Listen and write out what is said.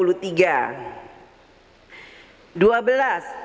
adalah kekuatan yang terbaik dalam kekuatan rakyat